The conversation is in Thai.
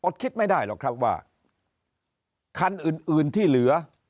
คิดไม่ได้หรอกครับว่าคันอื่นอื่นที่เหลือ